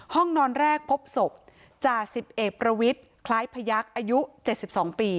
ห้องนอนแรกปรบศพจ่าสิบเอกส์ประวิษฐ์คล้ายพระยรกษ์